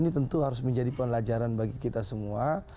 ini tentu harus menjadi pelajaran bagi kita semua